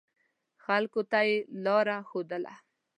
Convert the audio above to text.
خلکو ته یې لاره ښودله.